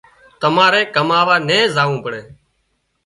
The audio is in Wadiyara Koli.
تماري ڪماوا نين زاوون پڙي